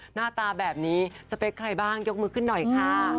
หน้าตาแบบนี้สเปคใครบ้างยกมือขึ้นหน่อยค่ะ